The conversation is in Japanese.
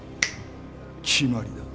決まりだ。